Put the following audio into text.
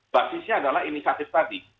basisnya adalah inisiatif tadi